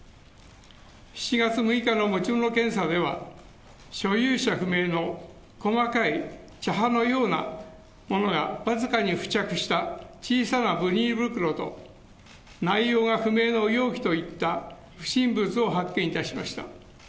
７月６日の持ち物検査では、所有者不明の細かい茶葉のようなものが僅かに付着した小さなビニール袋と、内容が不明の容器といった不審物を発見いたしました。